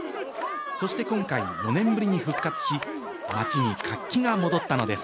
そして今回、４年ぶりに復活し、街に活気が戻ったのです。